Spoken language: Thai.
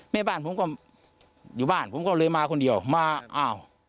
เมบ้านผมก็บ้างผมก็เลยมาคนเดี่ยวมาเอ่า